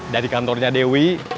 dari kantornya dewi